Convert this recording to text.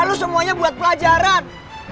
lo semuanya buat pelajaran